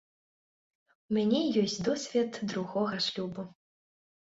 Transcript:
У мяне ёсць досвед другога шлюбу.